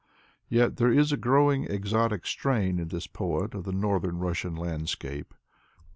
Yet there is a growing exotic strain in this poet of the Northern Russian landscape.